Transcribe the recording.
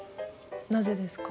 なぜですか？